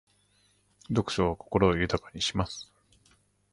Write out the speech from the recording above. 読書は心を豊かにします。